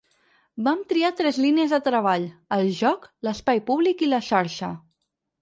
Vam triar tres línies de treball: el joc, l’espai públic i la xarxa.